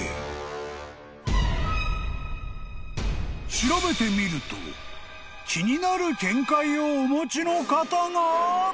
［調べてみると気になる見解をお持ちの方が！？］